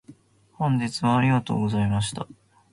本日はありがとうございました。